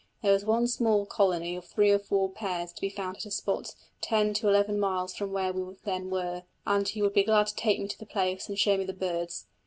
There was one small colony of three or four pairs to be found at a spot ten to eleven miles from where we then were; and he would be glad to take me to the place and show me the birds.